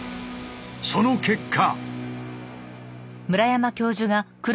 その結果！